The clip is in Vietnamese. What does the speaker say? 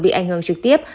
bị ảnh hưởng trực tiếp